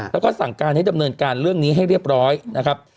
แล้วก็สั่งการให้ดำเนินการเรื่องนี้ให้เรียบร้อยนะครับ